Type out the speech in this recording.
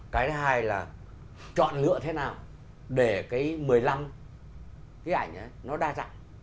cái hai là chọn lựa thế nào để cái một mươi năm cái ảnh nó đa dạng